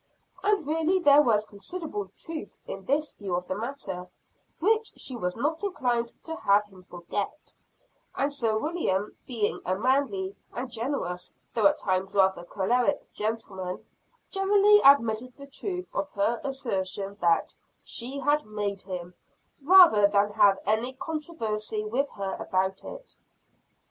And really there was considerable truth in this view of the matter, which she was not inclined to have him forget; and Sir William, being a manly and generous, though at times rather choleric gentleman, generally admitted the truth of her assertion that "she had made him," rather than have any controversy with her about it.